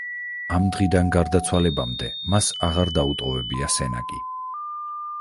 ამ დღიდან გარდაცვალებამდე მას აღარ დაუტოვებია სენაკი.